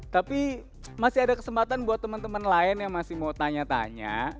tapi masih ada kesempatan buat teman teman lain yang masih mau tanya tanya